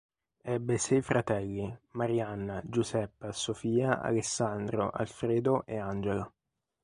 Ebbe sei fratelli: Marianna, Giuseppa, Sofia, Alessandro, Alfredo e Angela.